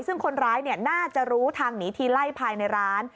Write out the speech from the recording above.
ซึ่งคนร้ายน่าจะรู้ทางหนีทีไล่ภายในร้าน